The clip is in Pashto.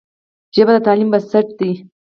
ژبه د تعلیم بنسټ دی.